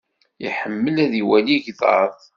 Iḥemmel ad iwali igḍaḍ.